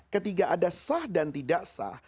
ketika ada sah dan tidak sah